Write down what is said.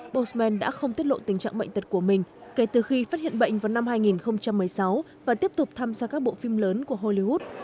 boseman đã không tiết lộ tình trạng bệnh tật của mình kể từ khi phát hiện bệnh vào năm hai nghìn một mươi sáu và tiếp tục tham gia các bộ phim lớn của hollywood